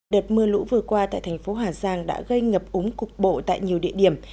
đợt mưa lũ vừa qua tại thành phố hà giang đã gây ngập úng cục bộ tại nhiều địa điểm